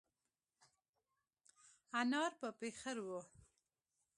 انار په پېخر وه.